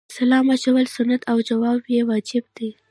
سلام اچول سنت او جواب یې واجب دی